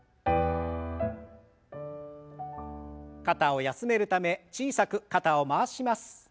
肩を休めるため小さく肩を回します。